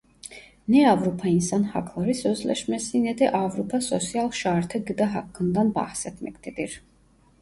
Ne Avrupa İnsan Hakları Sözleşmesi ne de Avrupa Sosyal Şartı gıda hakkından bahsetmektedir.